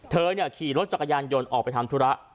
ขี่รถจักรยานยนต์ออกไปทำธุระ